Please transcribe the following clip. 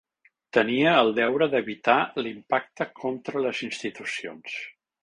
Tenia el deure d’evitar l’impacte contra les institucions.